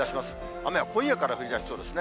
雨は今夜から降りだしそうですね。